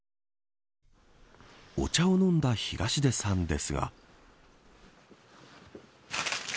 お茶を飲んだ東出さんですが。